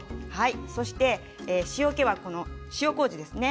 そして塩けは塩こうじですね。